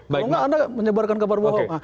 kalau enggak anda menyebarkan kabar bohong